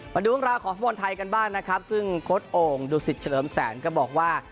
มาดูของเราของฝนไทยกันบ้างนะครับซึ่งโค้ชโอ่งดุสิทธิ์เฉลิมแสนก็บอกว่า